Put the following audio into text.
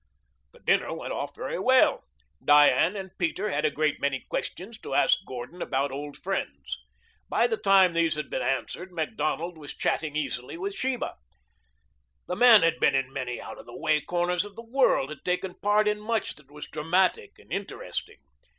The dinner went off very well. Diane and Peter had a great many questions to ask Gordon about old friends. By the time these had been answered Macdonald was chatting easily with Sheba. The man had been in many out of the way corners of the world, had taken part in much that was dramatic and interesting.